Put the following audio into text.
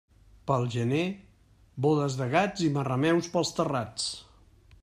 Pel gener, bodes de gats i marrameus pels terrats.